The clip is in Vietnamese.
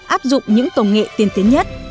áp dụng những tổng nghệ tiên tiến nhất